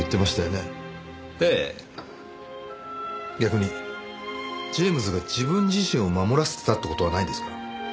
逆にジェームズが自分自身を守らせてたって事はないですか？